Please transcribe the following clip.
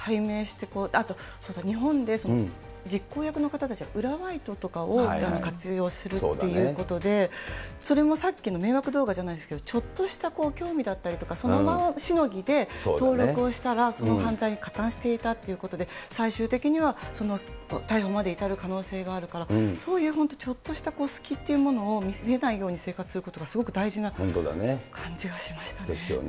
あと、本当に全容解明して、あと、日本で実行役の方たちは裏バイトとかを活用するっていうことで、それもさっきの迷惑動画じゃないですけど、ちょっとした興味だったり、その場しのぎで登録をしたら、その犯罪に加担していたということで、最終的には、逮捕まで至る可能性があるから、そういう本当、ちょっとした隙というものを見せないように生活することがすごく大事な感じがしましたね。